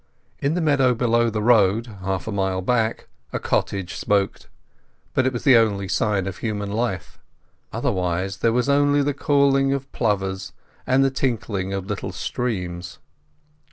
In the meadows below the road half a mile back a cottage smoked, but it was the only sign of human life. Otherwise there was only the calling of plovers and the tinkling of little streams.